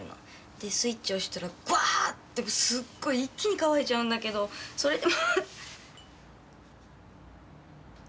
でスイッチ押したらグワーッてすごい一気に乾いちゃうんだけどそれで。